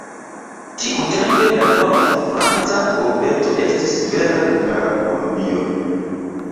Tiutempe la nord-franca urbeto estis vera hungara kolonio.